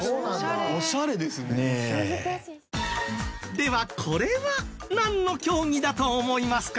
ではこれはなんの競技だと思いますか？